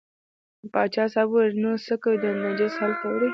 پاچا صاحب وویل نو څه کوې دا نجس هلته وړې.